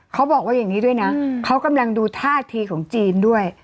เขาบอกว่าอย่างนี้ด้วยนะเขากำลังดูท่าทีของจีนด้วย